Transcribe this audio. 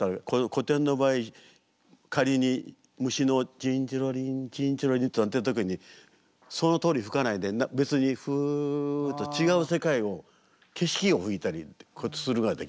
古典の場合仮に虫の「チンチロリンチンチロリン」と鳴ってる時にそのとおり吹かないで別にフッと違う世界を景色を吹いたりするができましたね。